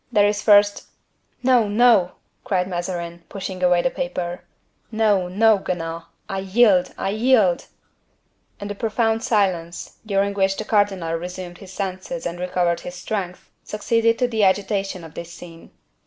There is first—" "No, no!" cried Mazarin, pushing away the paper. "No, no, Guenaud, I yield! I yield!" And a profound silence, during which the cardinal resumed his senses and recovered his strength, succeeded to the agitation of this scene.